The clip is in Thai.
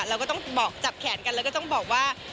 เราก็ต้องบอกจับแขนกันแล้วก็ต้องบอกว่า